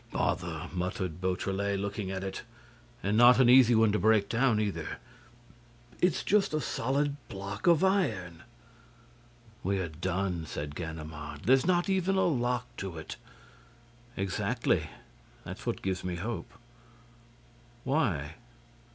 "Bother!" muttered Beautrelet, looking at it. "And not an easy one to break down either. It's just a solid block of iron." "We are done," said Ganimard. "There's not even a lock to it." "Exactly. That's what gives me hope." "Why?"